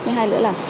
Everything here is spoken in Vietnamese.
mới hai nữa là